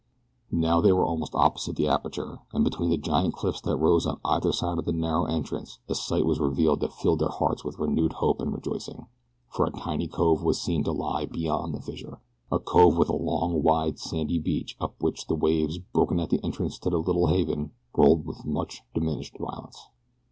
Now they were almost opposite the aperture and between the giant cliffs that rose on either side of the narrow entrance a sight was revealed that filled their hearts with renewed hope and rejoicing, for a tiny cove was seen to lie beyond the fissure a cove with a long, wide, sandy beach up which the waves, broken at the entrance to the little haven, rolled with much diminished violence.